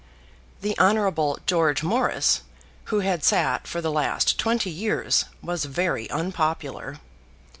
The Hon. George Morris, who had sat for the last twenty years, was very unpopular.